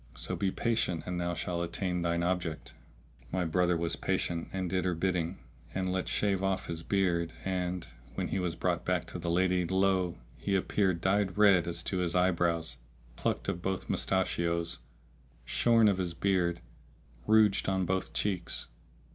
So be patient and thou shalt attain thine object." My brother was patient and did her bidding and let shave off his beard and, when he was brought back to the lady, lo! he appeared dyed red as to his eyebrows, plucked of both mustachios, shorn of his beard, rouged on both cheeks.